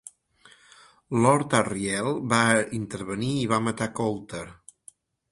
Lord Asriel va intervenir i va matar Coulter.